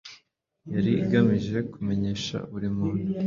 yari igamije kumenyesha buri muntu